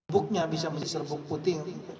buknya bisa menyelepuk puting